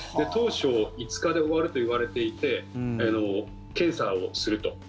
当初５日で終わるといわれていて検査をすると。